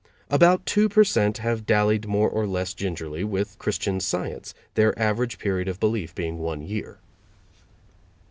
About two per cent. have dallied more or less gingerly with Christian Science, their average period of belief being one year.